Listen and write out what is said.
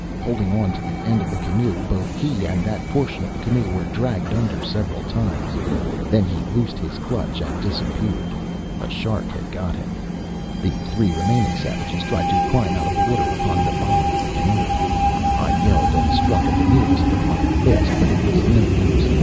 Holding on to the end of the canoe, both he and that portion of the canoe were dragged under several times. Then he loosed his clutch and disappeared. A shark had got him. The three remaining niggers tried to climb out of the water upon the bottom of the canoe. I yelled and cursed and struck at the nearest with my fist, but it was no use.